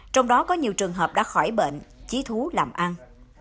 trong đó có nhiều trường hợp đã khỏi bệnh chí thú làm ăn